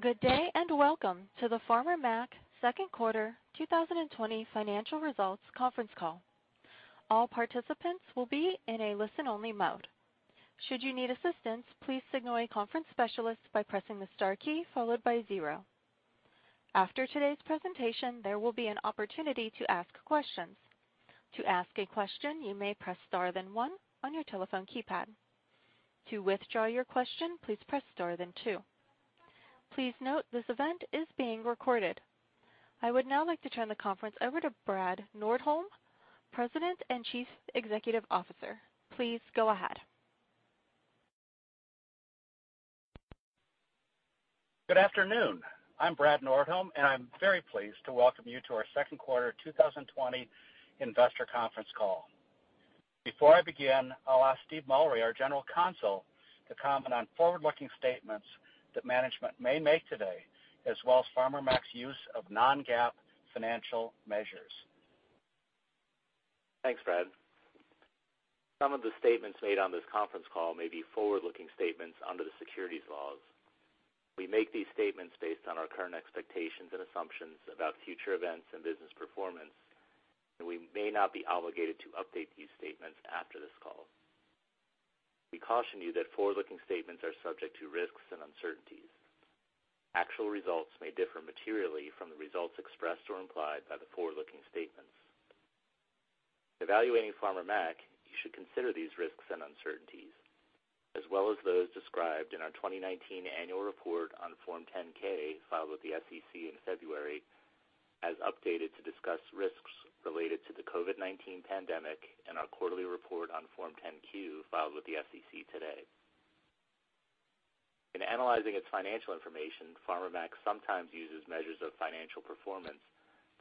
Good day. Welcome to the Farmer Mac second quarter 2020 financial results conference call. All participants will be in a listen-only mode. Should you need assistance, please signal a conference specialist by pressing the star key followed by zero. After today's presentation, there will be an opportunity to ask questions. To ask a question, you may press star then one on your telephone keypad. To withdraw your question, please press star then two. Please note this event is being recorded. I would now like to turn the conference over to Brad Nordholm, President and Chief Executive Officer. Please go ahead. Good afternoon. I'm Brad Nordholm, and I'm very pleased to welcome you to our second quarter 2020 investor conference call. Before I begin, I'll ask Steve Mullery, our General Counsel, to comment on forward-looking statements that management may make today, as well as Farmer Mac's use of non-GAAP financial measures. Thanks, Brad. Some of the statements made on this conference call may be forward-looking statements under the securities laws. We make these statements based on our current expectations and assumptions about future events and business performance. We may not be obligated to update these statements after this call. We caution you that forward-looking statements are subject to risks and uncertainties. Actual results may differ materially from the results expressed or implied by the forward-looking statements. Evaluating Farmer Mac, you should consider these risks and uncertainties, as well as those described in our 2019 annual report on Form 10-K filed with the SEC in February, as updated to discuss risks related to the COVID-19 pandemic in our quarterly report on Form 10-Q filed with the SEC today. In analyzing its financial information, Farmer Mac sometimes uses measures of financial performance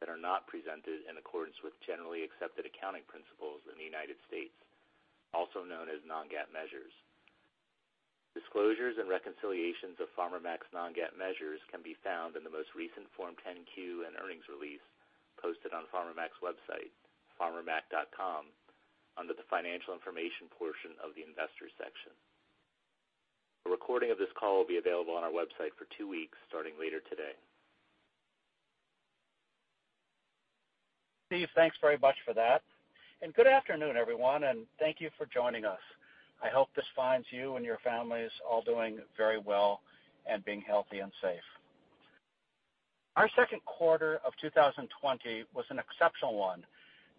that are not presented in accordance with Generally Accepted Accounting Principles in the United States, also known as non-GAAP measures. Disclosures and reconciliations of Farmer Mac's non-GAAP measures can be found in the most recent Form 10-Q and earnings release posted on Farmer Mac's website, farmermac.com, under the financial information portion of the investor section. A recording of this call will be available on our website for two weeks starting later today. Steve, thanks very much for that. Good afternoon, everyone, and thank you for joining us. I hope this finds you and your families all doing very well and being healthy and safe. Our second quarter of 2020 was an exceptional one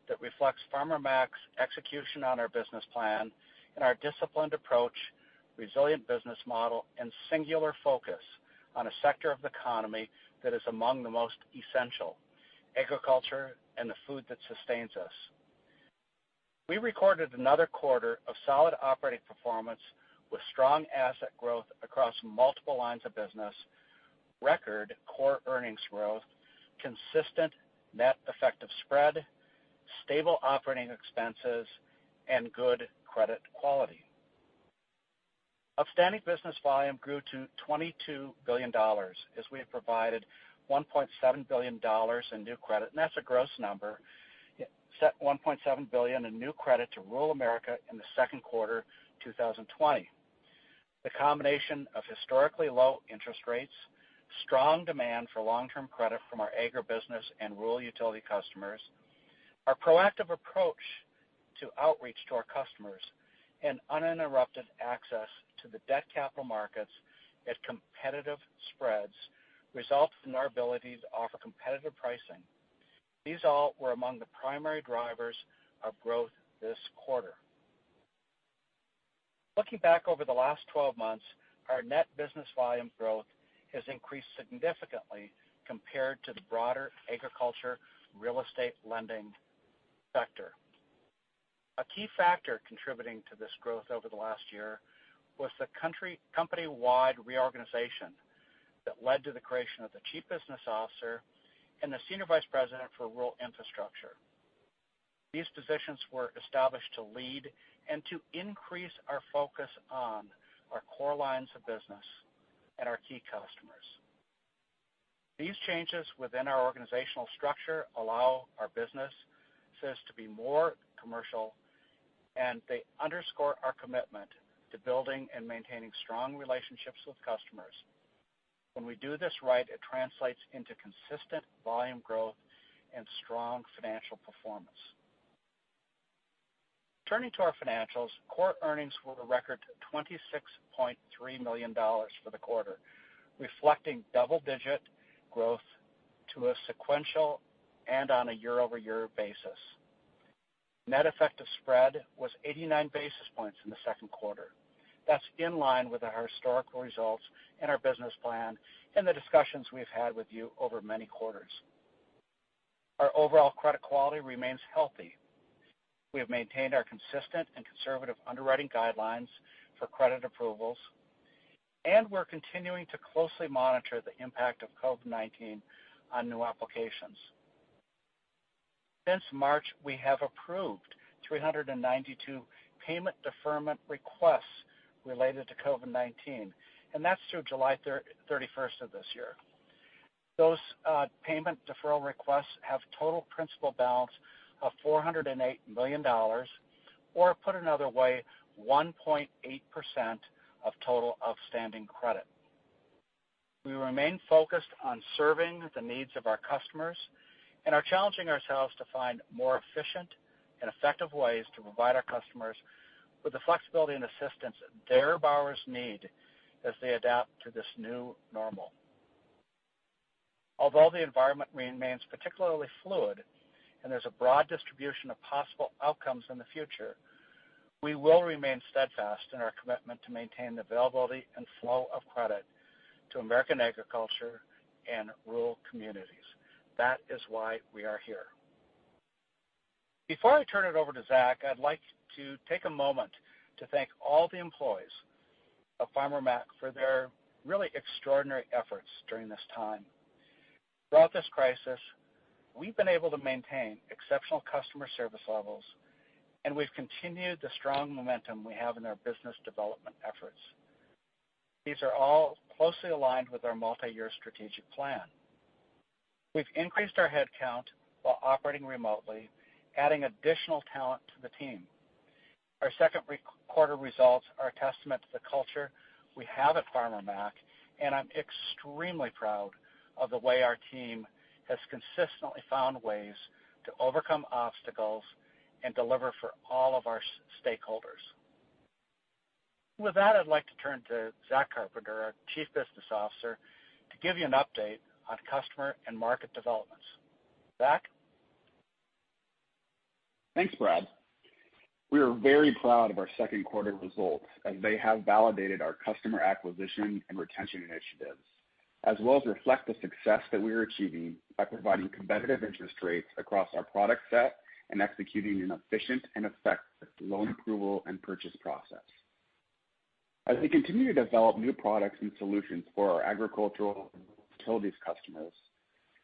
that reflects Farmer Mac's execution on our business plan and our disciplined approach, resilient business model, and singular focus on a sector of the economy that is among the most essential: agriculture and the food that sustains us. We recorded another quarter of solid operating performance with strong asset growth across multiple lines of business, record core earnings growth, consistent net effective spread, stable operating expenses, and good credit quality. Outstanding business volume grew to $22 billion as we have provided $1.7 billion in new credit, and that's a gross number. Set $1.7 billion in new credit to rural America in the second quarter 2020. The combination of historically low interest rates, strong demand for long-term credit from our agribusiness and rural utility customers, our proactive approach to outreach to our customers, and uninterrupted access to the debt capital markets at competitive spreads results in our ability to offer competitive pricing. These all were among the primary drivers of growth this quarter. Looking back over the last 12 months, our net business volume growth has increased significantly compared to the broader agriculture real estate lending sector. A key factor contributing to this growth over the last year was the company-wide reorganization that led to the creation of the Chief Business Officer and the Senior Vice President for Rural Infrastructure. These positions were established to lead and to increase our focus on our core lines of business and our key customers. These changes within our organizational structure allow our businesses to be more commercial, and they underscore our commitment to building and maintaining strong relationships with customers. When we do this right, it translates into consistent volume growth and strong financial performance. Turning to our financials, core earnings were a record $26.3 million for the quarter, reflecting double-digit growth to a sequential and on a year-over-year basis. net effective spread was 89 basis points in the second quarter. That's in line with our historical results and our business plan and the discussions we've had with you over many quarters. Our overall credit quality remains healthy. We have maintained our consistent and conservative underwriting guidelines for credit approvals, and we're continuing to closely monitor the impact of COVID-19 on new applications. Since March, we have approved 392 payment deferment requests related to COVID-19, and that's through July 31st of this year. Those payment deferral requests have total principal balance of $408 million, or put another way, 1.8% of total outstanding credit. We remain focused on serving the needs of our customers and are challenging ourselves to find more efficient and effective ways to provide our customers with the flexibility and assistance their borrowers need as they adapt to this new normal. Although the environment remains particularly fluid and there's a broad distribution of possible outcomes in the future, we will remain steadfast in our commitment to maintain the availability and flow of credit to American agriculture and rural communities. That is why we are here. Before I turn it over to Zach, I'd like to take a moment to thank all the employees of Farmer Mac for their really extraordinary efforts during this time. Throughout this crisis, we've been able to maintain exceptional customer service levels, and we've continued the strong momentum we have in our business development efforts. These are all closely aligned with our multi-year strategic plan. We've increased our headcount while operating remotely, adding additional talent to the team. Our second quarter results are a testament to the culture we have at Farmer Mac, and I'm extremely proud of the way our team has consistently found ways to overcome obstacles and deliver for all of our stakeholders. With that, I'd like to turn to Zach Carpenter, our Chief Business Officer, to give you an update on customer and market developments. Zach? Thanks, Brad. We are very proud of our second quarter results as they have validated our customer acquisition and retention initiatives, as well as reflect the success that we are achieving by providing competitive interest rates across our product set and executing an efficient and effective loan approval and purchase process. As we continue to develop new products and solutions for our agricultural and rural utilities customers,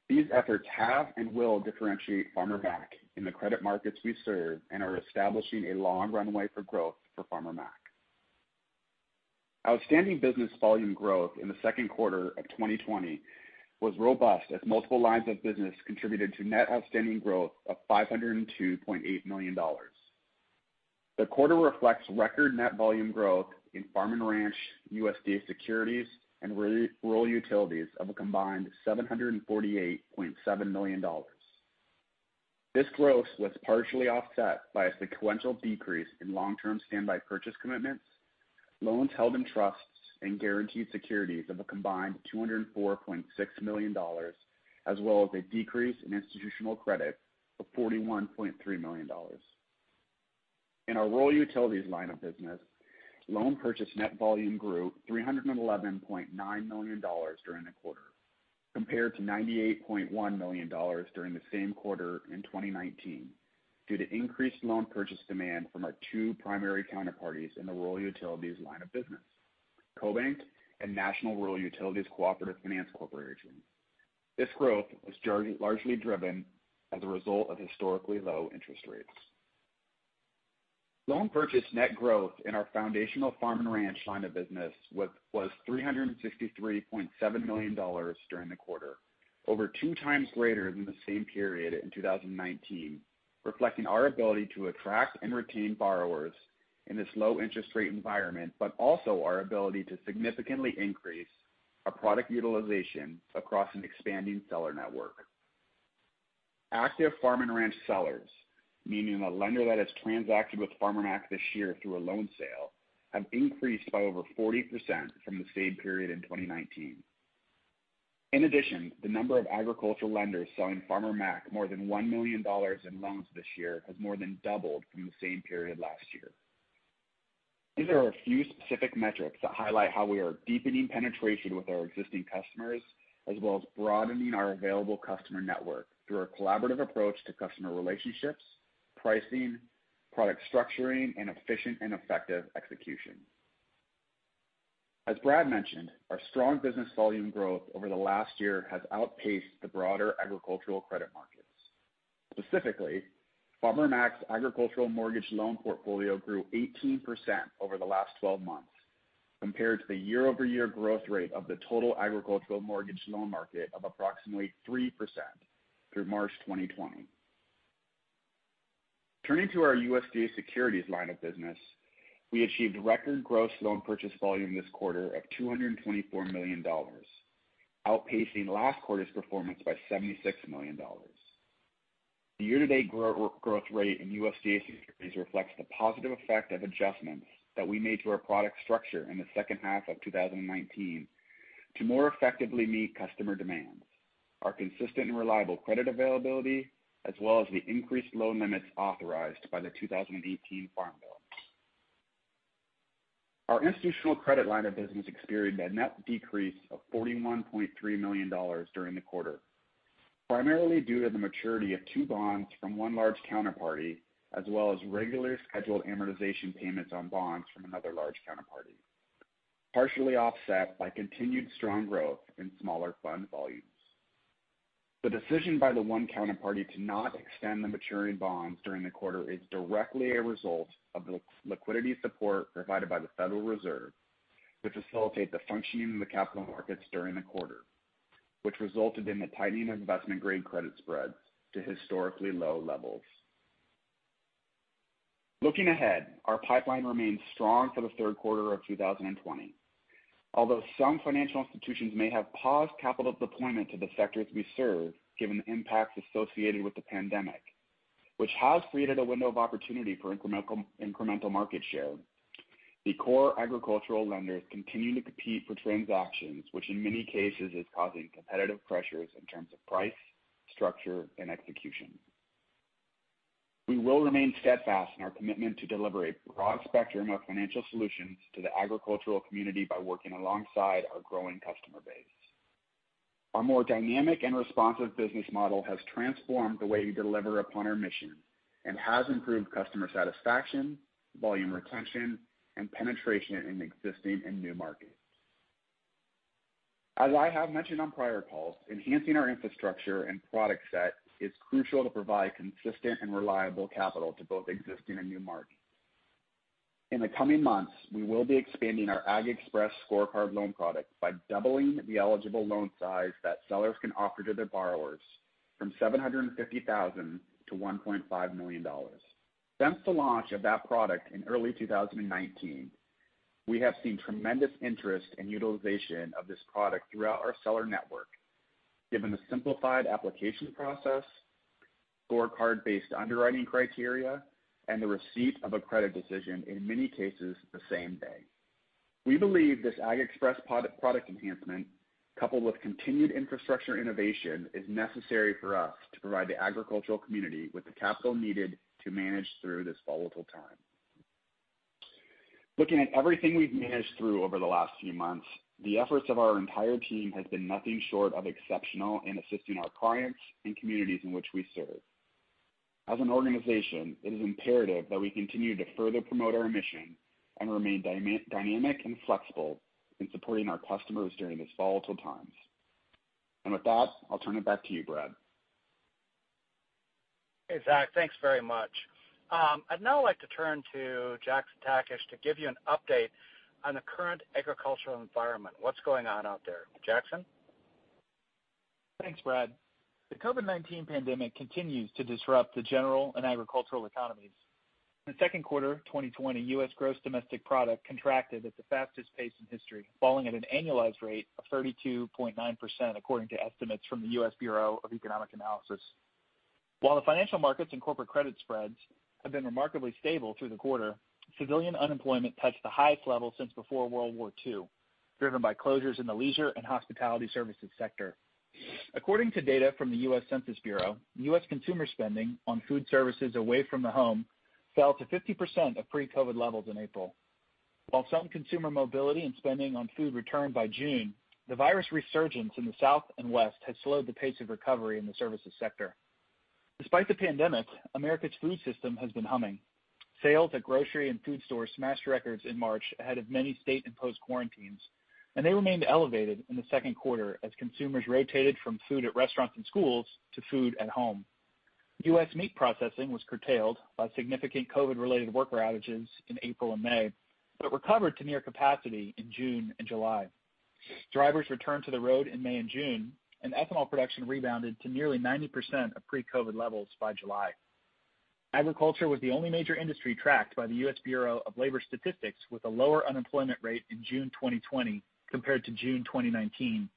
these efforts have and will differentiate Farmer Mac in the credit markets we serve and are establishing a long runway for growth for Farmer Mac. Outstanding business volume growth in the second quarter of 2020 was robust as multiple lines of business contributed to net outstanding growth of $502.8 million. The quarter reflects record net volume growth in Farm & Ranch, USDA Securities, and Rural Utilities of a combined $748.7 million. This growth was partially offset by a sequential decrease in long-term standby purchase commitments, loans held in trusts, and guaranteed securities of a combined $204.6 million, as well as a decrease in institutional credit of $41.3 million. In our Rural Utilities line of business, loan purchase net volume grew $311.9 million during the quarter compared to $98.1 million during the same quarter in 2019 due to increased loan purchase demand from our two primary counterparties in the Rural Utilities line of business, CoBank and National Rural Utilities Cooperative Finance Corporation. This growth was largely driven as a result of historically low interest rates. Loan purchase net growth in our foundational Farm & Ranch line of business was $363.7 million during the quarter, over 2x greater than the same period in 2019, reflecting our ability to attract and retain borrowers in this low interest rate environment, but also our ability to significantly increase our product utilization across an expanding seller network. Active Farm & Ranch sellers, meaning a lender that has transacted with Farmer Mac this year through a loan sale, have increased by over 40% from the same period in 2019. In addition, the number of agricultural lenders selling Farmer Mac more than $1 million in loans this year has more than doubled from the same period last year. These are a few specific metrics that highlight how we are deepening penetration with our existing customers as well as broadening our available customer network through our collaborative approach to customer relationships, pricing, product structuring, and efficient and effective execution. As Brad mentioned, our strong business volume growth over the last year has outpaced the broader agricultural credit markets. Specifically, Farmer Mac's agricultural mortgage loan portfolio grew 18% over the last 12 months compared to the year-over-year growth rate of the total agricultural mortgage loan market of approximately 3% through March 2020. Turning to our USDA Securities line of business, we achieved record gross loan purchase volume this quarter of $224 million, outpacing last quarter's performance by $76 million. The year-to-date growth rate in USDA Securities reflects the positive effect of adjustments that we made to our product structure in the second half of 2019 to more effectively meet customer demands, our consistent and reliable credit availability, as well as the increased loan limits authorized by the 2018 Farm Bill. Our institutional credit line of business experienced a net decrease of $41.3 million during the quarter, primarily due to the maturity of two bonds from one large counterparty, as well as regularly scheduled amortization payments on bonds from another large counterparty, partially offset by continued strong growth in smaller fund volumes. The decision by the one counterparty to not extend the maturing bonds during the quarter is directly a result of the liquidity support provided by the Federal Reserve to facilitate the functioning of the capital markets during the quarter, which resulted in the tightening of investment-grade credit spreads to historically low levels. Looking ahead, our pipeline remains strong for the third quarter of 2020. Although some financial institutions may have paused capital deployment to the sectors we serve, given the impacts associated with the pandemic, which has created a window of opportunity for incremental market share. The core agricultural lenders continue to compete for transactions, which in many cases is causing competitive pressures in terms of price, structure, and execution. We will remain steadfast in our commitment to deliver a broad spectrum of financial solutions to the agricultural community by working alongside our growing customer base. Our more dynamic and responsive business model has transformed the way we deliver upon our mission and has improved customer satisfaction, volume retention, and penetration in existing and new markets. As I have mentioned on prior calls, enhancing our infrastructure and product set is crucial to provide consistent and reliable capital to both existing and new markets. In the coming months, we will be expanding our AgXpress Scorecard loan product by doubling the eligible loan size that sellers can offer to their borrowers from $750,000 to $1.5 million. Since the launch of that product in early 2019, we have seen tremendous interest in utilization of this product throughout our seller network, given the simplified application process, scorecard-based underwriting criteria, and the receipt of a credit decision in many cases the same day. We believe this AgXpress product enhancement, coupled with continued infrastructure innovation, is necessary for us to provide the agricultural community with the capital needed to manage through this volatile time. Looking at everything we've managed through over the last few months, the efforts of our entire team has been nothing short of exceptional in assisting our clients and communities in which we serve. As an organization, it is imperative that we continue to further promote our mission and remain dynamic and flexible in supporting our customers during these volatile times. With that, I'll turn it back to you, Brad. Hey, Zach, thanks very much. I'd now like to turn to Jackson Takach to give you an update on the current agricultural environment, what's going on out there. Jackson? Thanks, Brad. The COVID-19 pandemic continues to disrupt the general and agricultural economies. In the second quarter 2020, U.S. gross domestic product contracted at the fastest pace in history, falling at an annualized rate of 32.9%, according to estimates from the U.S. Bureau of Economic Analysis. While the financial markets and corporate credit spreads have been remarkably stable through the quarter, civilian unemployment touched the highest level since before World War II, driven by closures in the leisure and hospitality services sector. According to data from the U.S. Census Bureau, U.S. consumer spending on food services away from the home fell to 50% of pre-COVID levels in April. While some consumer mobility and spending on food returned by June, the virus resurgence in the South and West has slowed the pace of recovery in the services sector. Despite the pandemic, America's food system has been humming. Sales at grocery and food stores smashed records in March ahead of many state-imposed quarantines, and they remained elevated in the second quarter as consumers rotated from food at restaurants and schools to food at home. U.S. meat processing was curtailed by significant COVID-related worker outages in April and May, but recovered to near capacity in June and July. Drivers returned to the road in May and June, and ethanol production rebounded to nearly 90% of pre-COVID levels by July. Agriculture was the only major industry tracked by the U.S. Bureau of Labor Statistics with a lower unemployment rate in June 2020 compared to June 2019,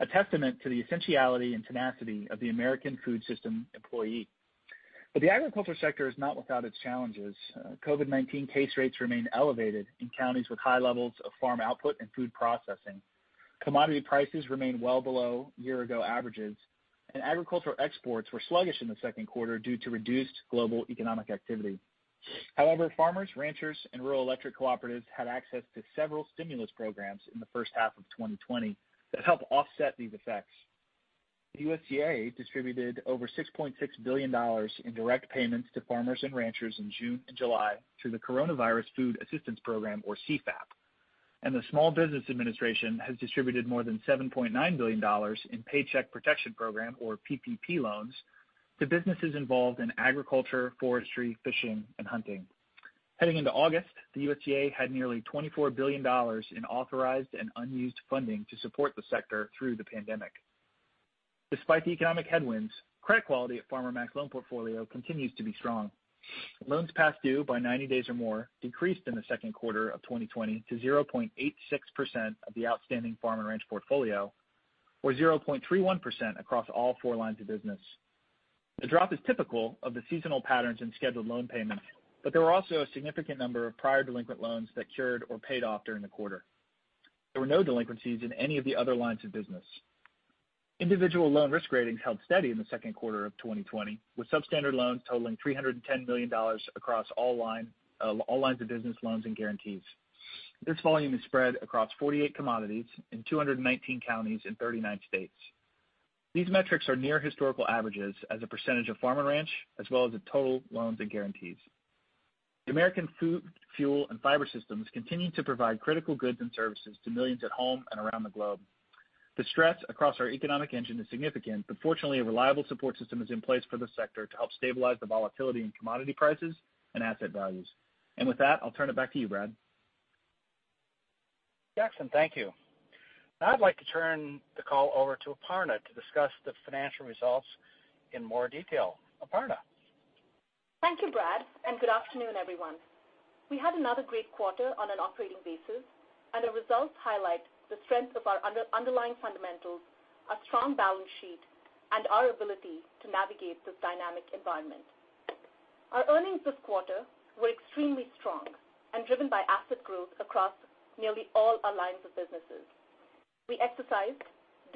a testament to the essentiality and tenacity of the American food system employee. But the agriculture sector is not without its challenges. COVID-19 case rates remain elevated in counties with high levels of farm output and food processing. Commodity prices remain well below year-ago averages, and agricultural exports were sluggish in the second quarter due to reduced global economic activity. However, farmers, ranchers, and rural electric cooperatives had access to several stimulus programs in the first half of 2020 that helped offset these effects. The USDA distributed over $6.6 billion in direct payments to farmers and ranchers in June and July through the Coronavirus Food Assistance Program, or CFAP. The Small Business Administration has distributed more than $7.9 billion in Paycheck Protection Program or PPP loans to businesses involved in agriculture, forestry, fishing, and hunting. Heading into August, the USDA had nearly $24 billion in authorized and unused funding to support the sector through the pandemic. Despite the economic headwinds, credit quality at Farmer Mac's loan portfolio continues to be strong. Loans past due by 90 days or more decreased in the second quarter of 2020 to 0.86% of the outstanding Farm & Ranch portfolio or 0.31% across all four lines of business. The drop is typical of the seasonal patterns in scheduled loan payments, but there were also a significant number of prior delinquent loans that cured or paid off during the quarter. There were no delinquencies in any of the other lines of business. Individual loan risk ratings held steady in the second quarter of 2020, with substandard loans totaling $310 million across all lines of business loans and guarantees. This volume is spread across 48 commodities in 219 counties in 39 states. These metrics are near historical averages as a percentage of Farm & Ranch, as well as the total loans and guarantees. The American food, fuel, and fiber systems continue to provide critical goods and services to millions at home and around the globe. Fortunately, a reliable support system is in place for this sector to help stabilize the volatility in commodity prices and asset values. With that, I'll turn it back to you, Brad. Jackson, thank you. Now I'd like to turn the call over to Aparna to discuss the financial results in more detail. Aparna? Thank you, Brad, and good afternoon, everyone. We had another great quarter on an operating basis, and the results highlight the strength of our underlying fundamentals, our strong balance sheet, and our ability to navigate this dynamic environment. Our earnings this quarter were extremely strong and driven by asset growth across nearly all our lines of businesses. We exercised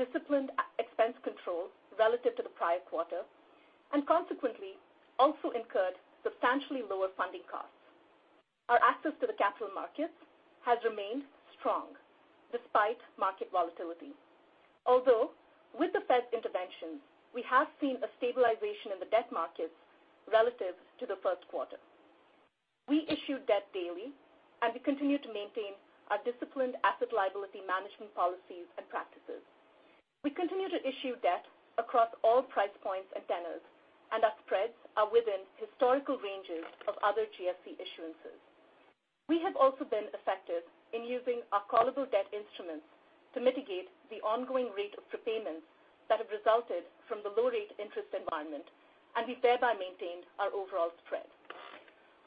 disciplined expense control relative to the prior quarter and consequently also incurred substantially lower funding costs. Our access to the capital markets has remained strong despite market volatility, although with the Fed's intervention, we have seen a stabilization in the debt markets relative to the first quarter. We issue debt daily, and we continue to maintain our disciplined asset liability management policies and practices. We continue to issue debt across all price points and tenors, and our spreads are within historical ranges of other GSE issuances. We have also been effective in using our callable debt instruments to mitigate the ongoing rate of prepayments that have resulted from the low-rate interest environment, and we thereby maintained our overall spread.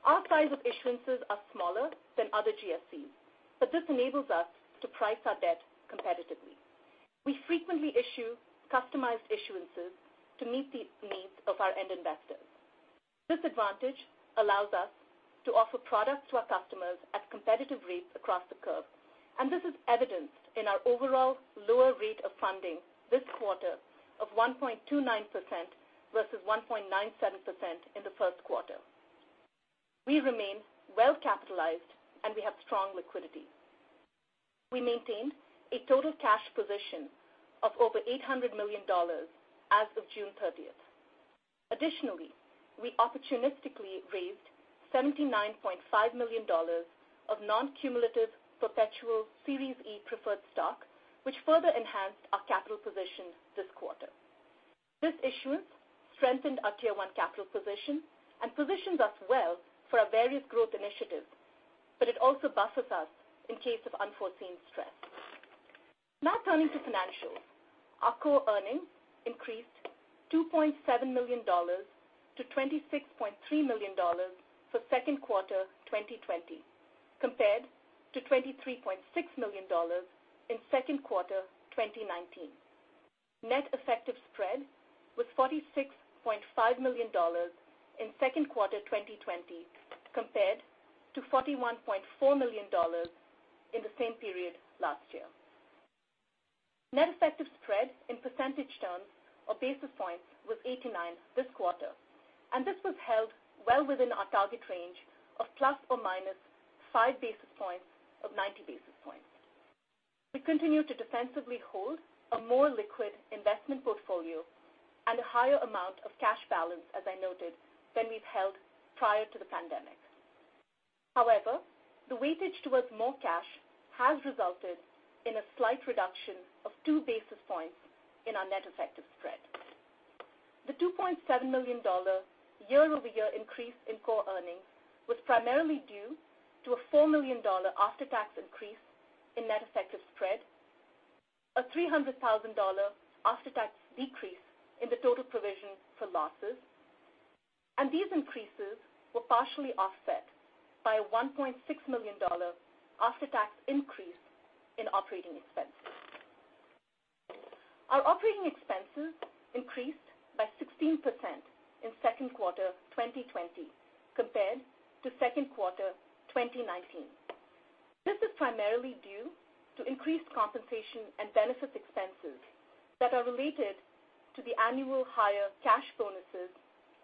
Our size of issuances are smaller than other GSEs, but this enables us to price our debt competitively. We frequently issue customized issuances to meet the needs of our end investors. This advantage allows us to offer products to our customers at competitive rates across the curve, and this is evidenced in our overall lower rate of funding this quarter of 1.29% versus 1.97% in the first quarter. We remain well-capitalized, and we have strong liquidity. We maintained a total cash position of over $800 million as of June 30th. Additionally, we opportunistically raised $79.5 million of non-cumulative perpetual Series E preferred stock, which further enhanced our capital position this quarter. This issuance strengthened our Tier 1 capital position and positions us well for our various growth initiatives, it also buffers us in case of unforeseen stress. Now turning to financials. Our core earnings increased $2.7 million to $26.3 million for Q2 2020, compared to $23.6 million in Q2 2019. Net effective spread was $46.5 million in Q2 2020, compared to $41.4 million in the same period last year. Net effective spread in percentage terms or basis points was 89 this quarter, this was held well within our target range of ±5 basis points of 90 basis points. We continue to defensively hold a more liquid investment portfolio and a higher amount of cash balance, as I noted, than we've held prior to the pandemic. The weightage towards more cash has resulted in a slight reduction of two basis points in our net effective spread. The $2.7 million year-over-year increase in core earnings was primarily due to a $4 million after-tax increase in net effective spread, a $300,000 after-tax decrease in the total provision for losses. These increases were partially offset by a $1.6 million after-tax increase in operating expenses. Our operating expenses increased by 16% in Q2 2020 compared to Q2 2019. This is primarily due to increased compensation and benefits expenses that are related to the annual higher cash bonuses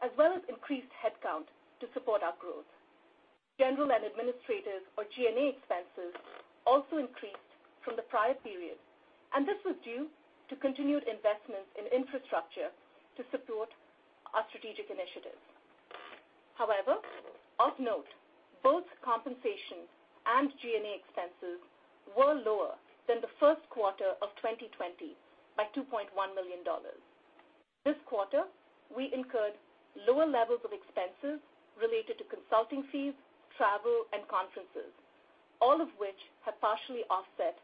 as well as increased headcount to support our growth. General and Administrative or G&A expenses also increased from the prior period. This was due to continued investments in infrastructure to support our strategic initiatives. However, of note, both compensation and G&A expenses were lower than the first quarter of 2020 by $2.1 million. This quarter, we incurred lower levels of expenses related to consulting fees, travel, and conferences, all of which have partially offset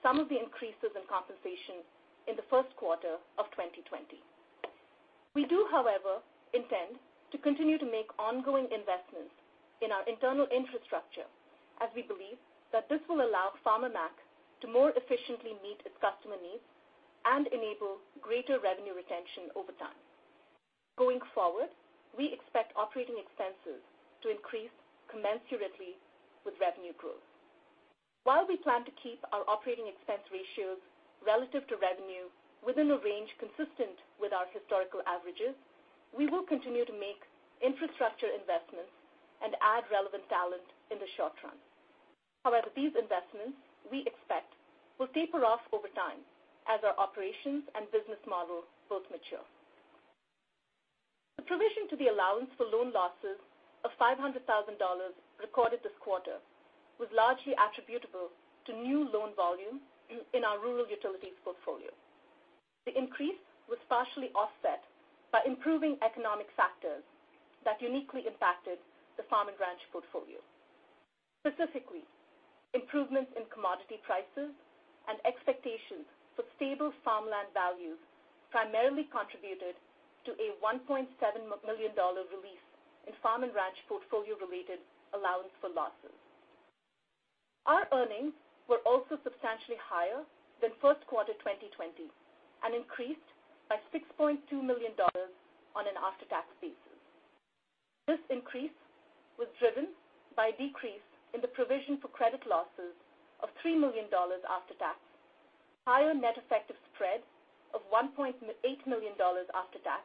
some of the increases in compensation in the first quarter of 2020. We do, however, intend to continue to make ongoing investments in our internal infrastructure as we believe that this will allow Farmer Mac to more efficiently meet its customer needs and enable greater revenue retention over time. Going forward, we expect operating expenses to increase commensurately with revenue growth. While we plan to keep our operating expense ratios relative to revenue within a range consistent with our historical averages, we will continue to make infrastructure investments and add relevant talent in the short run. However, these investments, we expect, will taper off over time as our operations and business model both mature. The provision to the allowance for loan losses of $500,000 recorded this quarter was largely attributable to new loan volume in our Rural Utilities portfolio. The increase was partially offset by improving economic factors that uniquely impacted the Farm & Ranch portfolio. Specifically, improvements in commodity prices and expectations for stable farmland values primarily contributed to a $1.7 million release in Farm & Ranch portfolio-related allowance for losses. Our earnings were also substantially higher than first quarter 2020 and increased by $6.2 million on an after-tax basis. This increase was driven by a decrease in the provision for credit losses of $3 million after tax, higher net effective spread of $1.8 million after tax,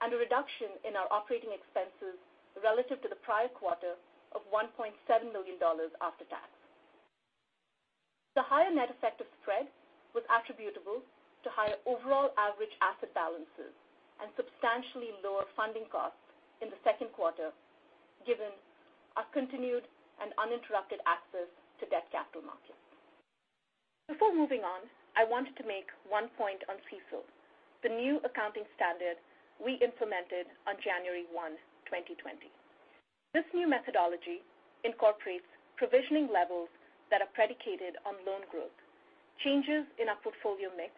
and a reduction in our operating expenses relative to the prior quarter of $1.7 million after tax. The higher net effective spread was attributable to higher overall average asset balances and substantially lower funding costs in the second quarter, given our continued and uninterrupted access to debt capital markets. Before moving on, I wanted to make one point on CECL, the new accounting standard we implemented on January 1, 2020. This new methodology incorporates provisioning levels that are predicated on loan growth, changes in our portfolio mix,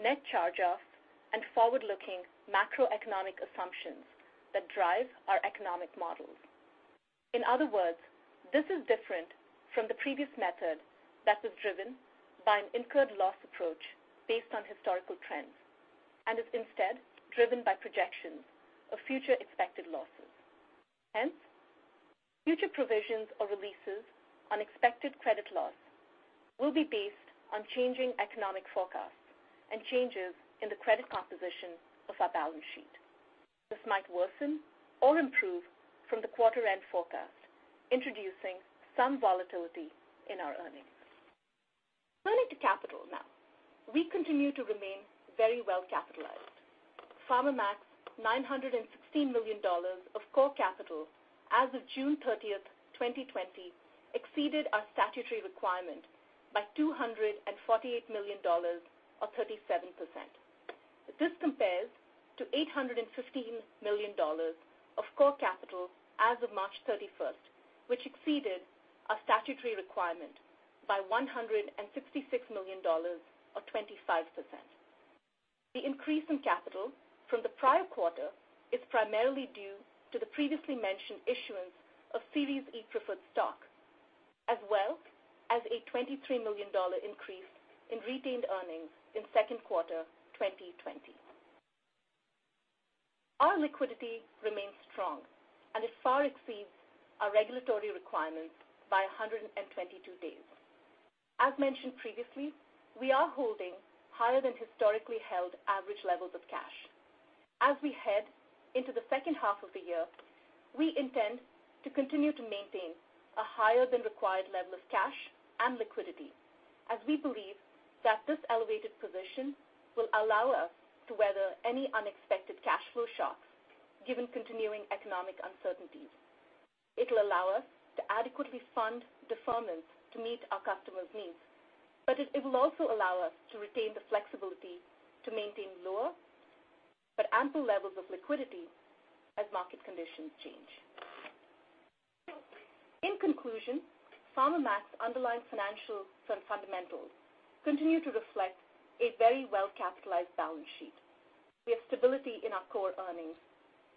net charge-offs, and forward-looking macroeconomic assumptions that drive our economic models. In other words, this is different from the previous method that was driven by an incurred loss approach based on historical trends and is instead driven by projections of future expected losses. Hence, future provisions or releases on expected credit loss will be based on changing economic forecasts and changes in the credit composition of our balance sheet. This might worsen or improve from the quarter-end forecast, introducing some volatility in our earnings. Turning to capital now. We continue to remain very well capitalized. Farmer Mac's $916 million of core capital as of June 30th, 2020, exceeded our statutory requirement by $248 million, or 37%. This compares to $815 million of core capital as of March 31st, which exceeded our statutory requirement by $166 million or 25%. The increase in capital from the prior quarter is primarily due to the previously mentioned issuance of Series E preferred stock, as well as a $23 million increase in retained earnings in second quarter 2020. Our liquidity remains strong and it far exceeds our regulatory requirements by 122 days. As mentioned previously, we are holding higher than historically held average levels of cash. As we head into the second half of the year, we intend to continue to maintain a higher than required level of cash and liquidity, as we believe that this elevated position will allow us to weather any unexpected cash flow shocks given continuing economic uncertainties. It'll allow us to adequately fund deferments to meet our customers' needs, but it will also allow us to retain the flexibility to maintain lower but ample levels of liquidity as market conditions change. In conclusion, Farmer Mac's underlying financials and fundamentals continue to reflect a very well-capitalized balance sheet. We have stability in our core earnings,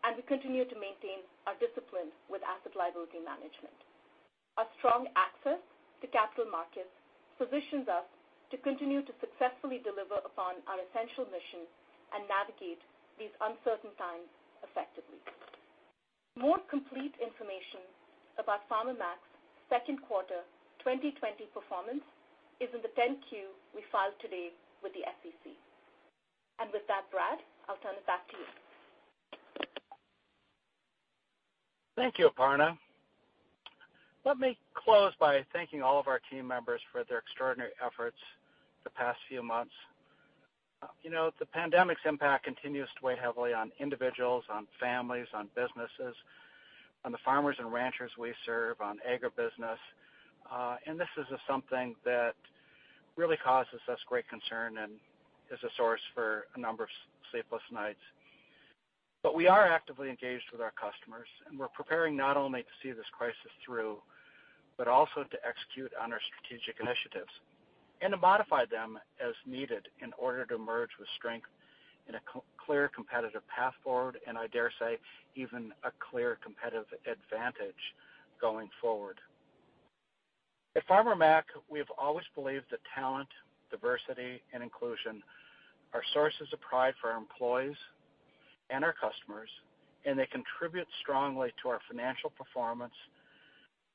and we continue to maintain our discipline with asset liability management. Our strong access to capital markets positions us to continue to successfully deliver upon our essential mission and navigate these uncertain times effectively. More complete information about Farmer Mac's second quarter 2020 performance is in the 10-Q we filed today with the SEC. With that, Brad, I'll turn it back to you. Thank you, Aparna. Let me close by thanking all of our team members for their extraordinary efforts the past few months. The pandemic's impact continues to weigh heavily on individuals, on families, on businesses, on the farmers and ranchers we serve, on agribusiness. This is something that really causes us great concern and is a source for a number of sleepless nights. We are actively engaged with our customers, and we're preparing not only to see this crisis through, but also to execute on our strategic initiatives and to modify them as needed in order to emerge with strength in a clear competitive path forward, and I dare say, even a clear competitive advantage going forward. At Farmer Mac, we've always believed that talent, diversity, and inclusion are sources of pride for our employees and our customers, and they contribute strongly to our financial performance.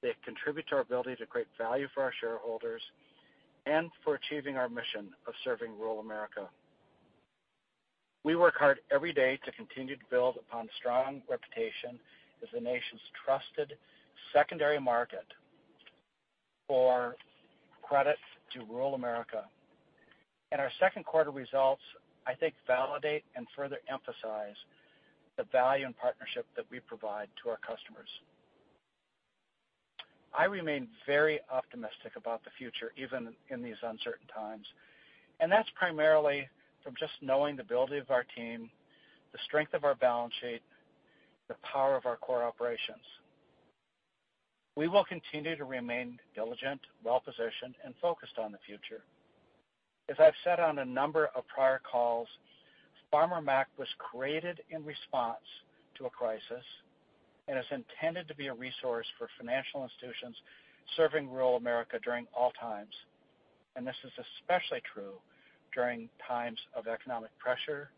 They contribute to our ability to create value for our shareholders and for achieving our mission of serving rural America. We work hard every day to continue to build upon a strong reputation as the nation's trusted secondary market for credit to rural America. Our second quarter results, I think, validate and further emphasize the value and partnership that we provide to our customers. I remain very optimistic about the future, even in these uncertain times, and that's primarily from just knowing the ability of our team, the strength of our balance sheet, the power of our core operations. We will continue to remain diligent, well-positioned, and focused on the future. As I've said on a number of prior calls, Farmer Mac was created in response to a crisis and is intended to be a resource for financial institutions serving rural America during all times, and this is especially true during times of economic pressure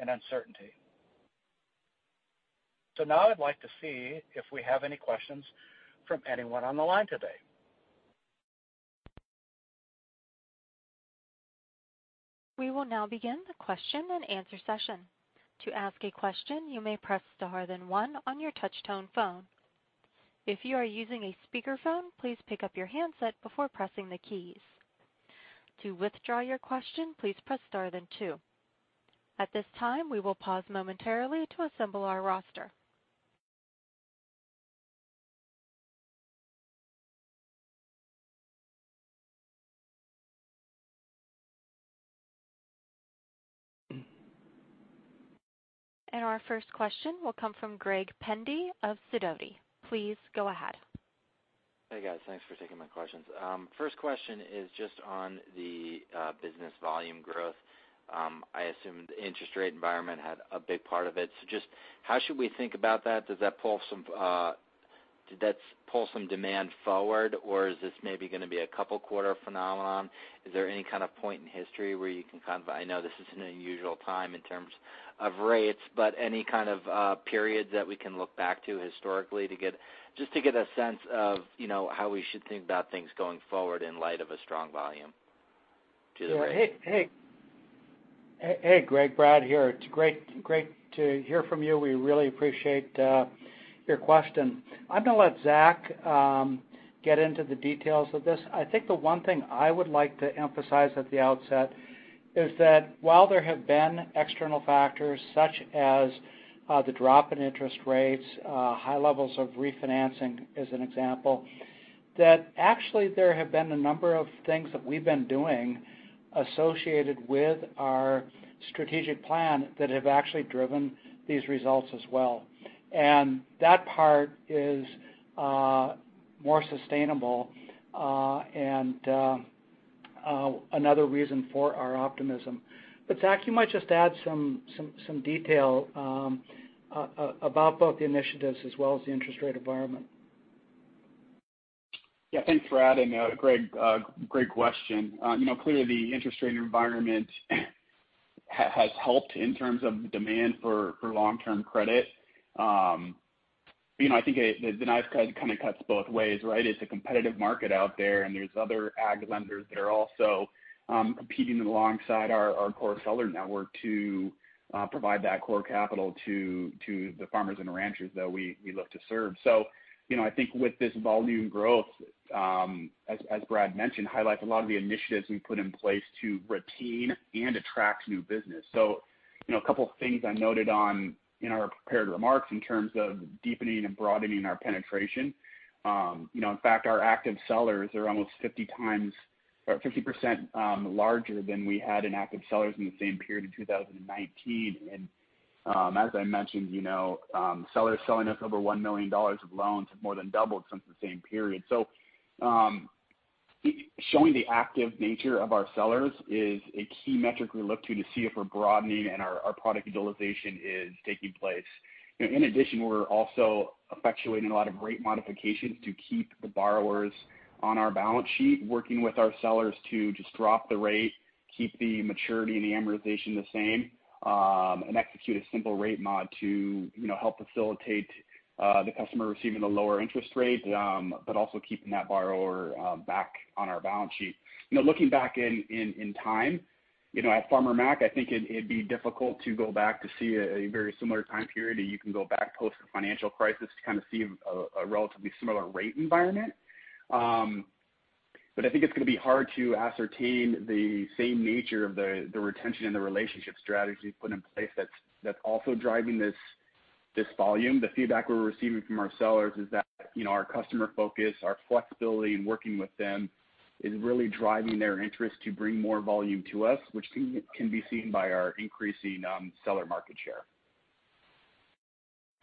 and uncertainty. Now I'd like to see if we have any questions from anyone on the line today. We will now begin the question-and-answer session. To ask a question, you may press star then one on your touchtone phone. If you are using a speakerphone, please pick up your handset before pressing the keys. To withdraw your question, please press star then two. At this time, we will pause momentarily to assemble our roster. Our first question will come from Greg Pendy of Sidoti. Please go ahead. Hey, guys. Thanks for taking my questions. First question is just on the business volume growth. I assume the interest rate environment had a big part of it. Just how should we think about that? Did that pull some demand forward or is this maybe going to be a couple quarter phenomenon? Is there any kind of point in history where you can I know this is an unusual time in terms of rates, but any kind of periods that we can look back to historically just to get a sense of how we should think about things going forward in light of a strong volume to the rate? Hey, Greg. Brad here. It's great to hear from you. We really appreciate your question. I'm going to let Zach get into the details of this. I think the one thing I would like to emphasize at the outset is that while there have been external factors such as the drop in interest rates, high levels of refinancing as an example, that actually there have been a number of things that we've been doing associated with our strategic plan that have actually driven these results as well. That part is more sustainable and another reason for our optimism. Zach, you might just add some detail about both the initiatives as well as the interest rate environment. Yeah, thanks, Brad, and Greg, great question. Clearly, the interest rate environment has helped in terms of demand for long-term credit. I think the knife kind of cuts both ways, right? It's a competitive market out there. There's other ag lenders that are also competing alongside our core seller network to provide that core capital to the farmers and ranchers that we look to serve. I think with this volume growth, as Brad mentioned, highlights a lot of the initiatives we've put in place to retain and attract new business. A couple of things I noted on in our prepared remarks in terms of deepening and broadening our penetration. In fact, our active sellers are almost 50% larger than we had in active sellers in the same period in 2019. As I mentioned, sellers selling us over $1 million of loans have more than doubled since the same period. Showing the active nature of our sellers is a key metric we look to see if we're broadening and our product utilization is taking place. In addition, we're also effectuating a lot of great modifications to keep the borrowers on our balance sheet, working with our sellers to just drop the rate, keep the maturity and the amortization the same, and execute a simple rate mod to help facilitate the customer receiving a lower interest rate, but also keeping that borrower back on our balance sheet. Looking back in time, at Farmer Mac, I think it'd be difficult to go back to see a very similar time period that you can go back post-financial crisis to kind of see a relatively similar rate environment. I think it's going to be hard to ascertain the same nature of the retention and the relationship strategy put in place that's also driving this volume. The feedback we're receiving from our sellers is that our customer focus, our flexibility in working with them is really driving their interest to bring more volume to us, which can be seen by our increasing seller market share.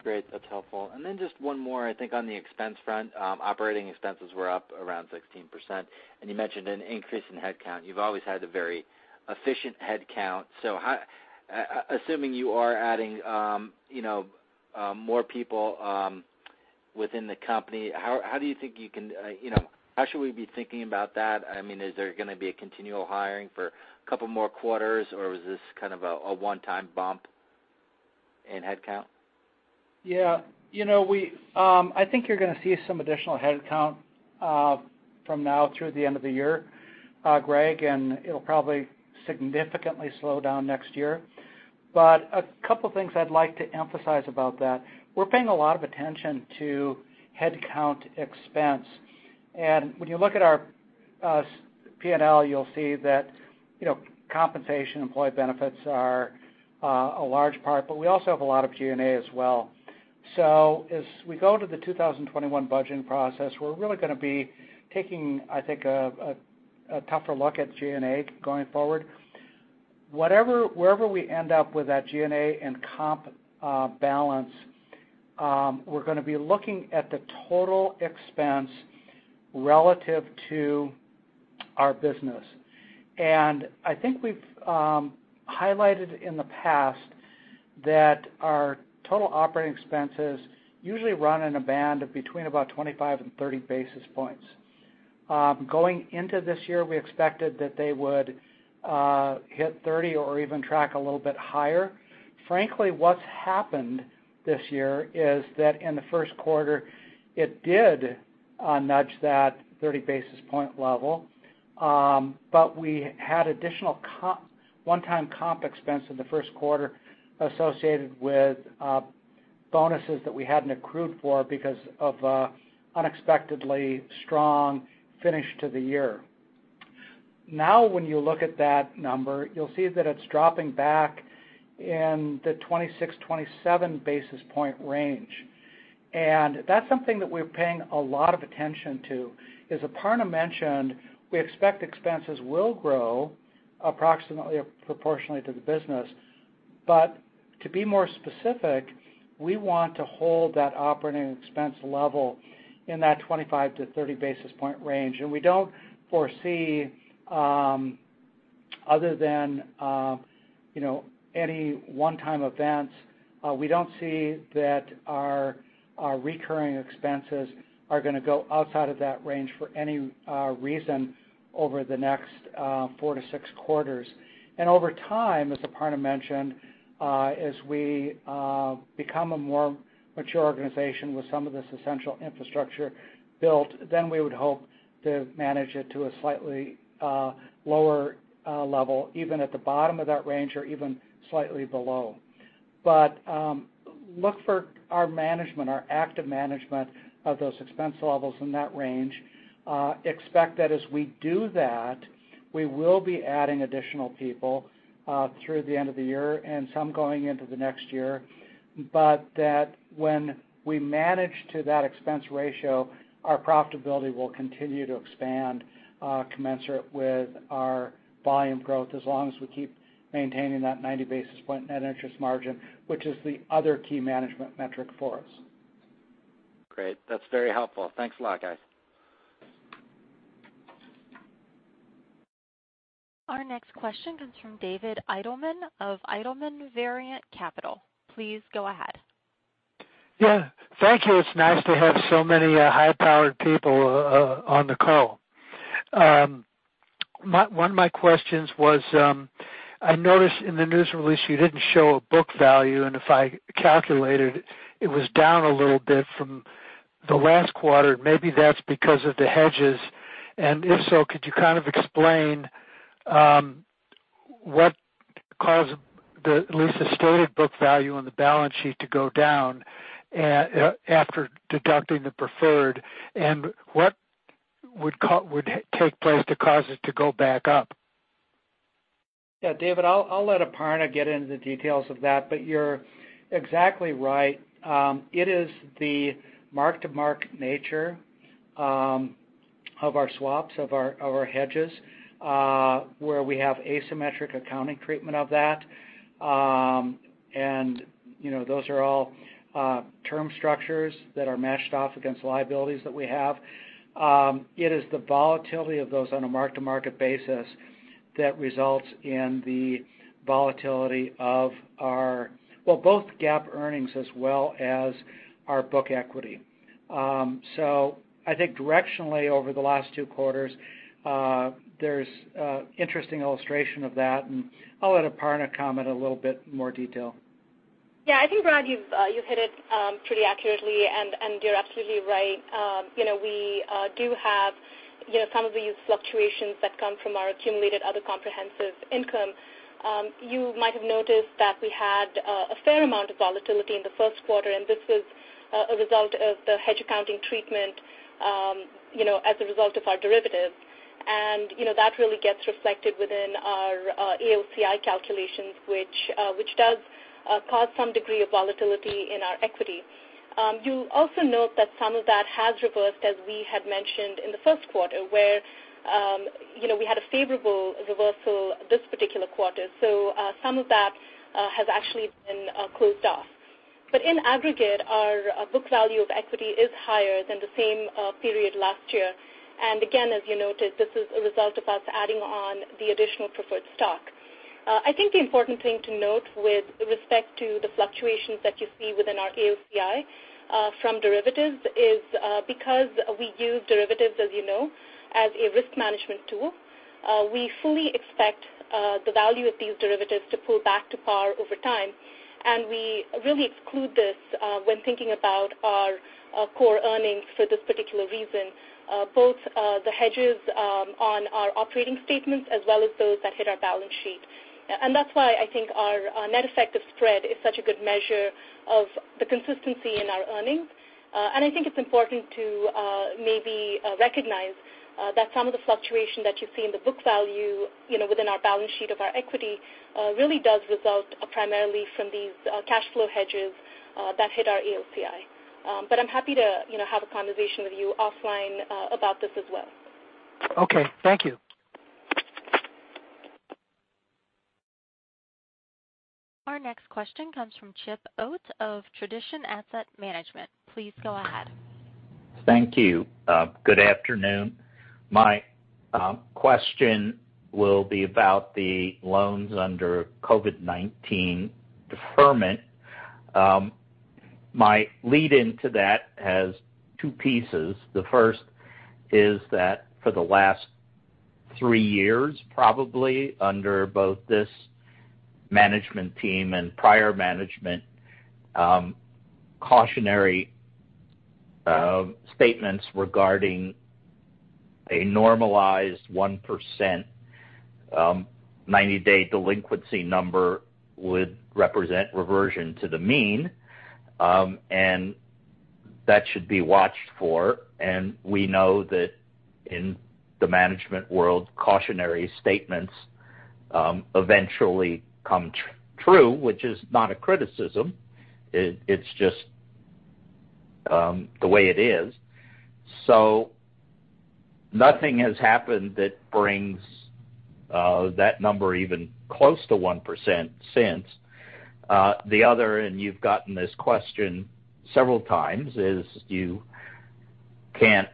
Great. That's helpful. Just one more, I think on the expense front. Operating expenses were up around 16%, and you mentioned an increase in headcount. You've always had a very efficient headcount. Assuming you are adding more people within the company, how should we be thinking about that? Is there going to be a continual hiring for a couple more quarters, or was this kind of a one-time bump? In headcount? Yeah. I think you're going to see some additional headcount from now through the end of the year, Greg, and it'll probably significantly slow down next year. A couple of things I'd like to emphasize about that. We're paying a lot of attention to headcount expense. When you look at our P&L, you'll see that compensation employee benefits are a large part, but we also have a lot of G&A as well. As we go to the 2021 budgeting process, we're really going to be taking, I think, a tougher look at G&A going forward. Wherever we end up with that G&A and comp balance, we're going to be looking at the total expense relative to our business. I think we've highlighted in the past that our total operating expenses usually run in a band of between about 25 and 30 basis points. Going into this year, we expected that they would hit 30 or even track a little bit higher. Frankly, what's happened this year is that in the first quarter, it did nudge that 30 basis point level. We had additional one-time comp expense in the first quarter associated with bonuses that we hadn't accrued for because of unexpectedly strong finish to the year. When you look at that number, you'll see that it's dropping back in the 26, 27 basis point range. That's something that we're paying a lot of attention to. As Aparna mentioned, we expect expenses will grow approximately proportionately to the business. To be more specific, we want to hold that operating expense level in that 25-30 basis point range. We don't foresee other than any one-time events, we don't see that our recurring expenses are going to go outside of that range for any reason over the next four to six quarters. Over time, as Aparna mentioned, as we become a more mature organization with some of this essential infrastructure built, then we would hope to manage it to a slightly lower level, even at the bottom of that range or even slightly below. Look for our management, our active management of those expense levels in that range. Expect that as we do that, we will be adding additional people through the end of the year and some going into the next year. When we manage to that expense ratio, our profitability will continue to expand commensurate with our volume growth as long as we keep maintaining that 90 basis point net interest margin, which is the other key management metric for us. Great. That's very helpful. Thanks a lot, guys. Our next question comes from David Eitelman of Eitelman Variant Capital. Please go ahead. Yeah. Thank you. It's nice to have so many high-powered people on the call. One of my questions was, I noticed in the news release you didn't show a book value, and if I calculated it was down a little bit from the last quarter. Maybe that's because of the hedges. If so, could you kind of explain what caused at least the stated book value on the balance sheet to go down after deducting the preferred? What would take place to cause it to go back up? Yeah, David, I'll let Aparna get into the details of that, but you're exactly right. It is the mark-to-market nature of our swaps, of our hedges where we have asymmetric accounting treatment of that. Those are all term structures that are matched off against liabilities that we have. It is the volatility of those on a mark-to-market basis that results in the volatility of our, well, both GAAP earnings as well as our book equity. I think directionally over the last two quarters, there's interesting illustration of that, and I'll let Aparna comment a little bit more detail. I think, Brad, you've hit it pretty accurately, you're absolutely right. We do have some of these fluctuations that come from our accumulated other comprehensive income. You might have noticed that we had a fair amount of volatility in the first quarter, this is a result of the hedge accounting treatment as a result of our derivatives. That really gets reflected within our AOCI calculations which does cause some degree of volatility in our equity. You'll also note that some of that has reversed as we had mentioned in the first quarter where we had a favorable reversal this particular quarter. Some of that has actually been closed off. In aggregate, our book value of equity is higher than the same period last year. Again, as you noted, this is a result of us adding on the additional preferred stock. I think the important thing to note with respect to the fluctuations that you see within our AOCI from derivatives is because we use derivatives, as you know, as a risk management tool. We fully expect the value of these derivatives to pull back to par over time. We really exclude this when thinking about our core earnings for this particular reason, both the hedges on our operating statements as well as those that hit our balance sheet. That's why I think our net effective spread is such a good measure of the consistency in our earnings. I think it's important to maybe recognize that some of the fluctuation that you see in the book value within our balance sheet of our equity really does result primarily from these cash flow hedges that hit our AOCI. I'm happy to have a conversation with you offline about this as well. Okay. Thank you. Our next question comes from Chip Oat of Tradition Asset Management. Please go ahead. Thank you. Good afternoon. My question will be about the loans under COVID-19 deferment. My lead into that has two pieces. The first is that for the last three years, probably under both this management team and prior management, cautionary statements regarding a normalized 1% 90-day delinquency number would represent reversion to the mean, and that should be watched for. We know that in the management world, cautionary statements eventually come true, which is not a criticism. It's just the way it is. Nothing has happened that brings that number even close to 1% since. The other, and you've gotten this question several times, is you can't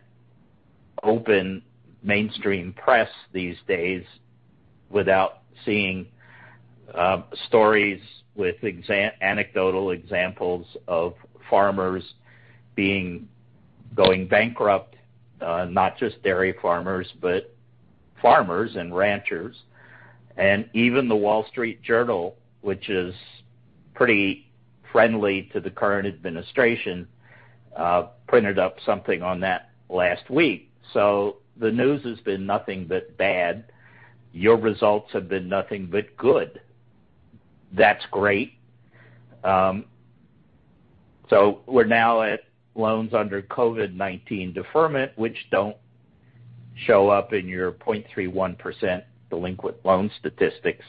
open mainstream press these days without seeing stories with anecdotal examples of farmers going bankrupt. Not just dairy farmers, but farmers and ranchers. Even The Wall Street Journal, which is pretty friendly to the current administration printed up something on that last week. The news has been nothing but bad. Your results have been nothing but good. That's great. We're now at loans under COVID-19 deferment, which don't show up in your 0.31% delinquent loan statistics.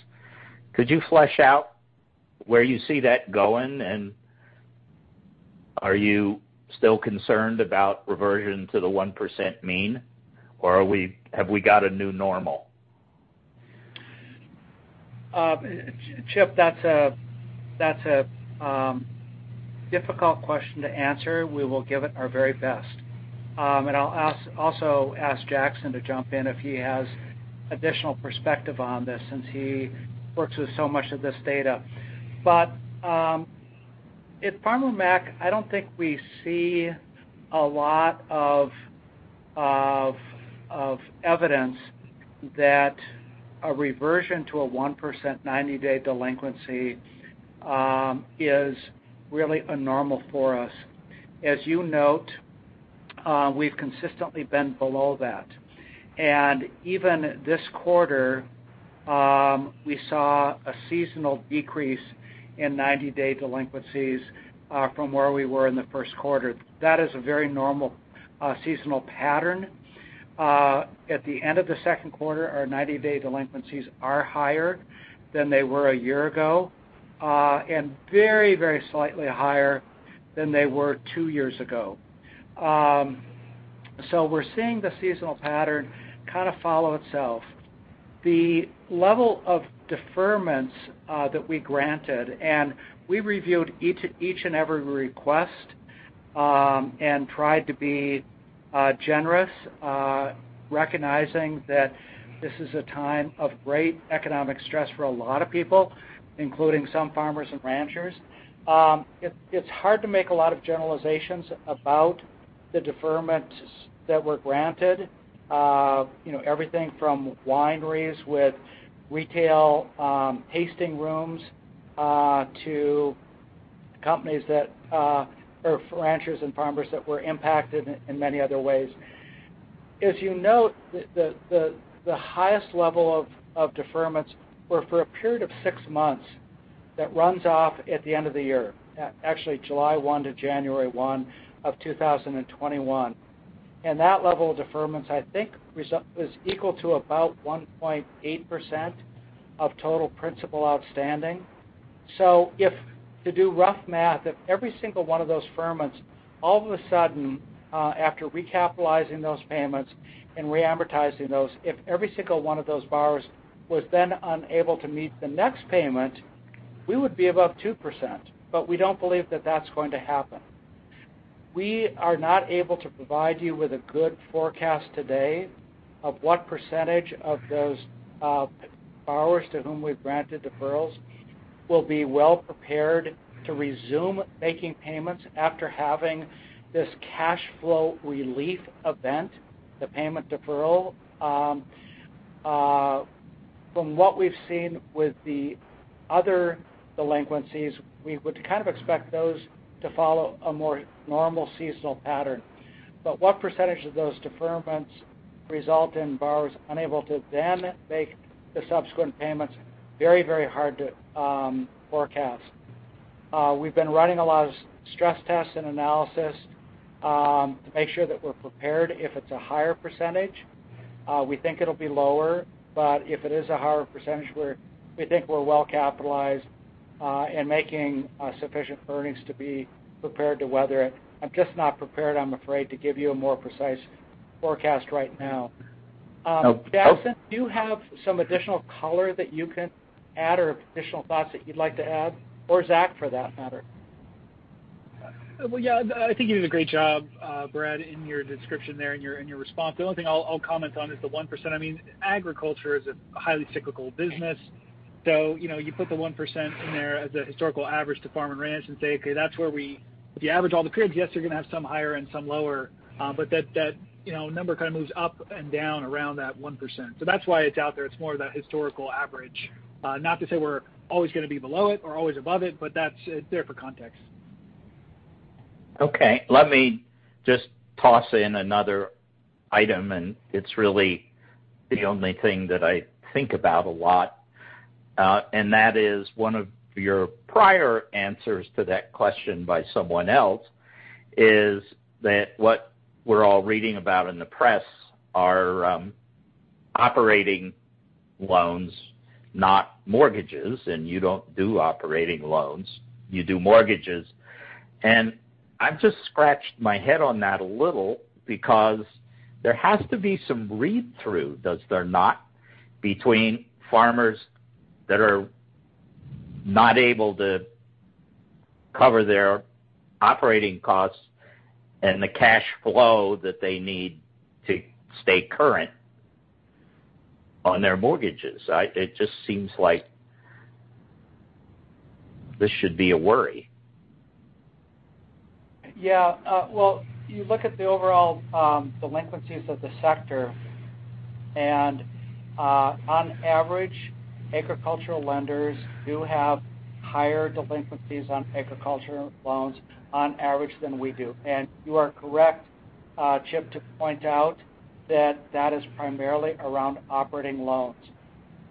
Could you flesh out where you see that going? Are you still concerned about reversion to the 1% mean, or have we got a new normal? Chip, that's a difficult question to answer. We will give it our very best. I'll also ask Jackson to jump in if he has additional perspective on this since he works with so much of this data. At Farmer Mac, I don't think we see a lot of evidence that a reversion to a 1% 90-day delinquency is really a normal for us. As you note, we've consistently been below that. Even this quarter, we saw a seasonal decrease in 90-day delinquencies from where we were in the first quarter. That is a very normal seasonal pattern. At the end of the second quarter, our 90-day delinquencies are higher than they were a year ago, and very, very slightly higher than they were two years ago. We're seeing the seasonal pattern kind of follow itself. The level of deferments that we granted. We reviewed each and every request and tried to be generous, recognizing that this is a time of great economic stress for a lot of people, including some farmers and ranchers. It's hard to make a lot of generalizations about the deferments that were granted. Everything from wineries with retail tasting rooms to companies or ranchers and farmers that were impacted in many other ways. As you note, the highest level of deferments were for a period of six months that runs off at the end of the year. Actually July 1 to January 1 of 2021. That level of deferments, I think, was equal to about 1.8% of total principal outstanding. To do rough math, if every single one of those deferments, all of a sudden, after recapitalizing those payments and re-amortizing those, if every single one of those borrowers was then unable to meet the next payment, we would be above 2%. We don't believe that that's going to happen. We are not able to provide you with a good forecast today of what percentage of those borrowers to whom we've granted deferrals will be well prepared to resume making payments after having this cash flow relief event, the payment deferral. From what we've seen with the other delinquencies, we would kind of expect those to follow a more normal seasonal pattern. What percentage of those deferments result in borrowers unable to then make the subsequent payments, very hard to forecast. We've been running a lot of stress tests and analysis to make sure that we're prepared if it's a higher percentage. We think it'll be lower, but if it is a higher percentage, we think we're well capitalized and making sufficient earnings to be prepared to weather it. I'm just not prepared, I'm afraid, to give you a more precise forecast right now. Okay. Jackson, do you have some additional color that you can add or additional thoughts that you'd like to add, or Zach for that matter? Well, yeah. I think you did a great job, Brad, in your description there in your response. The only thing I'll comment on is the 1%. Agriculture is a highly cyclical business. You put the 1% in there as a historical average to Farm & Ranch and say, okay, if you average all the periods, yes, you're going to have some higher and some lower. That number kind of moves up and down around that 1%. That's why it's out there. It's more of that historical average. Not to say we're always going to be below it or always above it, but that's there for context. Okay. Let me just toss in another item, and it's really the only thing that I think about a lot. That is one of your prior answers to that question by someone else, is that what we're all reading about in the press are operating loans, not mortgages, and you don't do operating loans. You do mortgages. I've just scratched my head on that a little because there has to be some read-through, does there not, between farmers that are not able to cover their operating costs and the cash flow that they need to stay current on their mortgages. It just seems like this should be a worry. Yeah. Well, you look at the overall delinquencies of the sector, on average, agricultural lenders do have higher delinquencies on agricultural loans on average than we do. You are correct, Chip, to point out that that is primarily around operating loans.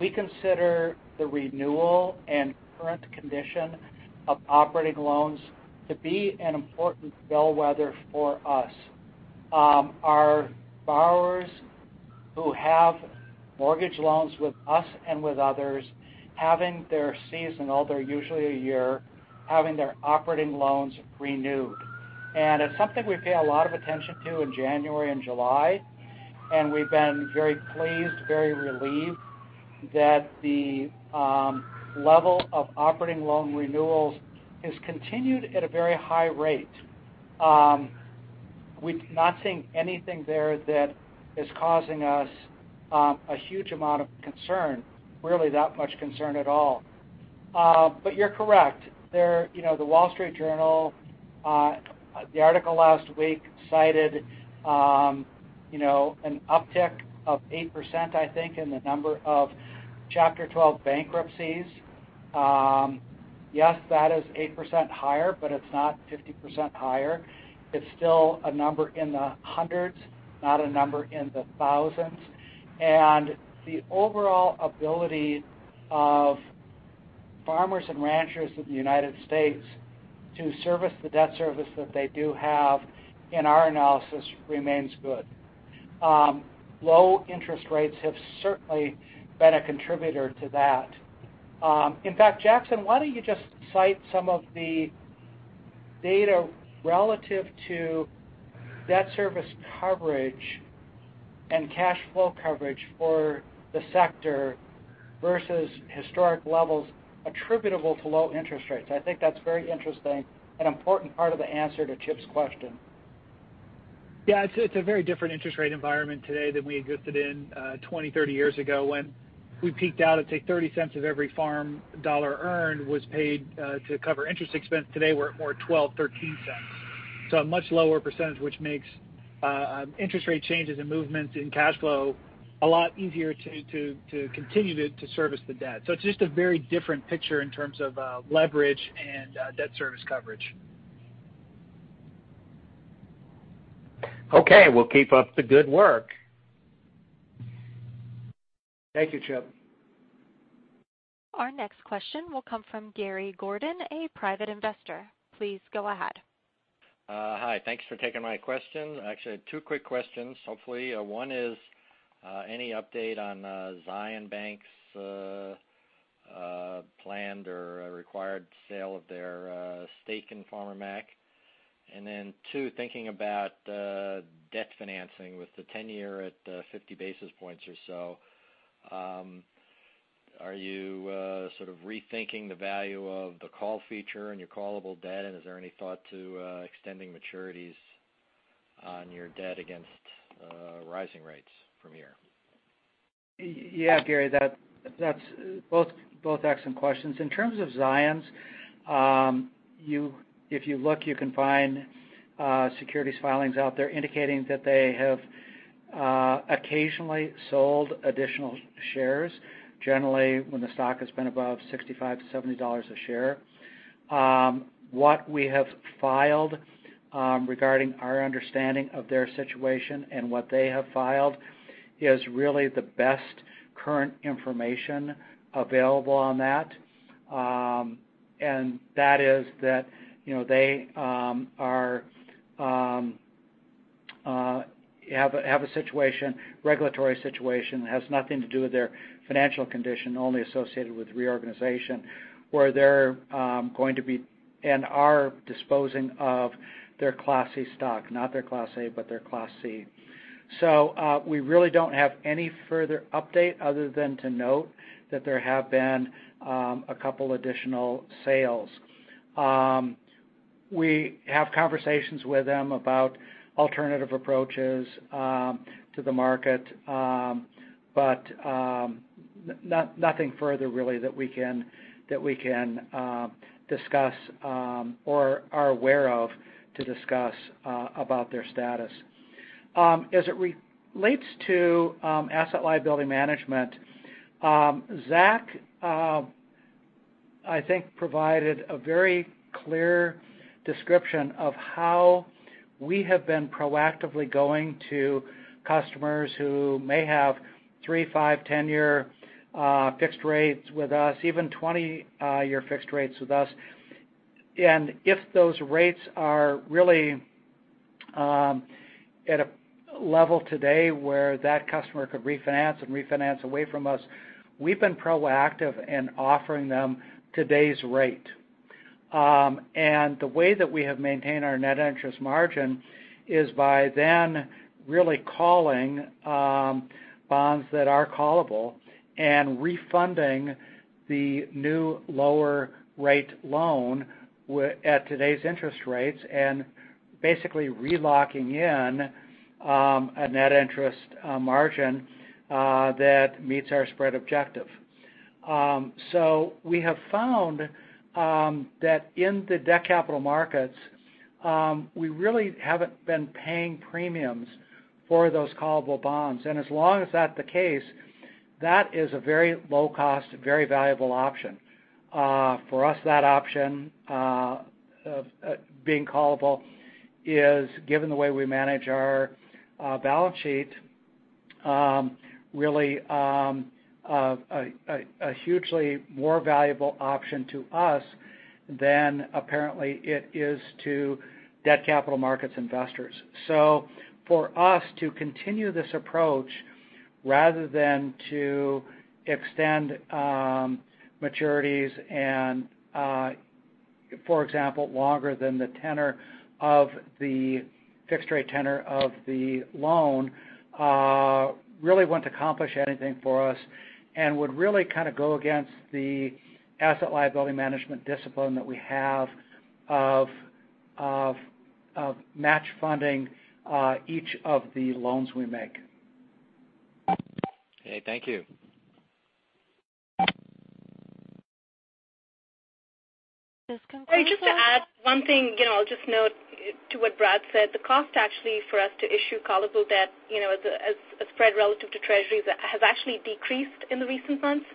We consider the renewal and current condition of operating loans to be an important bellwether for us. Our borrowers who have mortgage loans with us and with others, having their seasonal, they're usually a year, having their operating loans renewed. It's something we pay a lot of attention to in January and July, and we've been very pleased, very relieved that the level of operating loan renewals has continued at a very high rate. We're not seeing anything there that is causing us a huge amount of concern, really not much concern at all. You're correct. The Wall Street Journal, the article last week cited an uptick of 8%, I think, in the number of Chapter 12 bankruptcies. Yes, that is 8% higher, but it's not 50% higher. It's still a number in the hundreds, not a number in the thousands. The overall ability of farmers and ranchers of the United States to service the debt service that they do have, in our analysis, remains good. Low interest rates have certainly been a contributor to that. In fact, Jackson, why don't you just cite some of the data relative to debt service coverage and cash flow coverage for the sector versus historic levels attributable to low interest rates? I think that's very interesting, an important part of the answer to Chip's question. Yeah. It's a very different interest rate environment today than we existed in 20, 30 years ago when we peaked out at, say, $0.30 of every farm dollar earned was paid to cover interest expense. Today, we're at more $0.12, $0.13. A much lower percentage, which makes interest rate changes and movements in cash flow a lot easier to continue to service the debt. It's just a very different picture in terms of leverage and debt service coverage. Okay. Well, keep up the good work. Thank you, Chip. Our next question will come from Gary Gordon, a private investor. Please go ahead. Hi. Thanks for taking my question. Actually, I had two quick questions, hopefully. One is, any update on Zions Bank's planned or required sale of their stake in Farmer Mac? Two, thinking about debt financing with the 10-year at 50 basis points or so, are you sort of rethinking the value of the call feature and your callable debt? Is there any thought to extending maturities on your debt against rising rates from here? Yeah, Gary, both excellent questions. In terms of Zions, if you look, you can find securities filings out there indicating that they have occasionally sold additional shares, generally when the stock has been above $65-$70 a share. What we have filed regarding our understanding of their situation and what they have filed is really the best current information available on that. That is that they have a regulatory situation that has nothing to do with their financial condition, only associated with reorganization, where they're going to be, and are disposing of their Class C stock, not their Class A, but their Class C. We really don't have any further update other than to note that there have been a couple additional sales. We have conversations with them about alternative approaches to the market, but nothing further really that we can discuss or are aware of to discuss about their status. As it relates to asset liability management, Zach, I think, provided a very clear description of how we have been proactively going to customers who may have three, five, 10-year fixed rates with us, even 20-year fixed rates with us. If those rates are really at a level today where that customer could refinance and refinance away from us, we've been proactive in offering them today's rate. The way that we have maintained our net interest margin is by then really calling bonds that are callable and refunding the new lower rate loan at today's interest rates and basically re-locking in, a net interest margin that meets our spread objective. We have found that in the debt capital markets, we really haven't been paying premiums for those callable bonds. As long as that's the case, that is a very low cost, very valuable option. For us, that option of being callable is, given the way we manage our balance sheet, really a hugely more valuable option to us than apparently it is to debt capital markets investors. For us to continue this approach rather than to extend maturities and, for example, longer than the fixed rate tenor of the loan really wouldn't accomplish anything for us and would really kind of go against the asset liability management discipline that we have of match funding each of the loans we make. Okay, thank you. This concludes- I'll just add one thing. I'll just note to what Brad said, the cost actually for us to issue callable debt as a spread relative to Treasury has actually decreased in the recent months.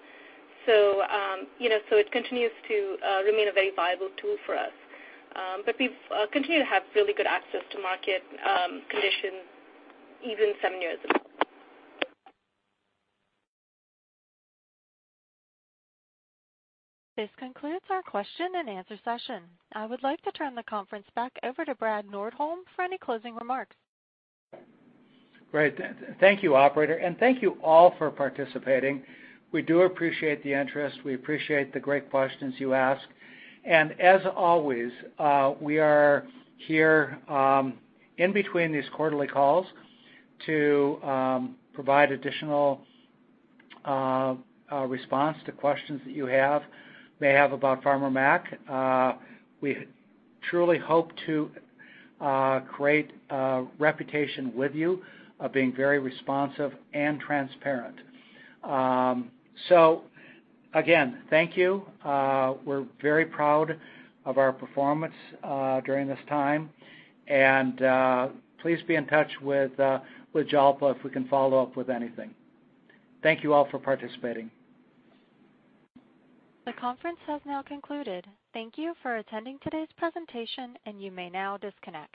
It continues to remain a very viable tool for us. We continue to have really good access to market conditions, even seven years. This concludes our question-and-answer session. I would like to turn the conference back over to Brad Nordholm for any closing remarks. Great. Thank you, operator. Thank you all for participating. We do appreciate the interest. We appreciate the great questions you ask. As always, we are here in between these quarterly calls to provide additional response to questions that you may have about Farmer Mac. We truly hope to create a reputation with you of being very responsive and transparent. Again, thank you. We're very proud of our performance during this time. Please be in touch with Jalpa if we can follow up with anything. Thank you all for participating. The conference has now concluded. Thank you for attending today's presentation, and you may now disconnect.